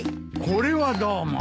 これはどうも。